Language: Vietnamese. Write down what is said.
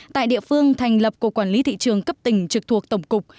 tại địa phương thành lập cục quản lý thị trường cấp tỉnh trực thuộc tổng cục